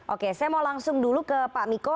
oke saya mau langsung dulu ke pak miko